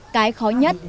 cái khó nhất